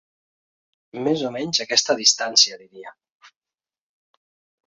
Més o menys aquesta distància, diria.